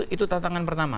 itu tantangan pertama